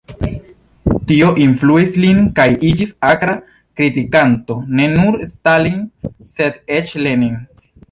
Tio influis lin kaj iĝis akra kritikanto ne nur Stalin sed eĉ Lenin.